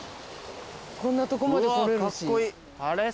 こんなとこまで来れるし。